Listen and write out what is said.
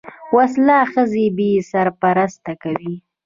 وسله ښځې بې سرپرسته کوي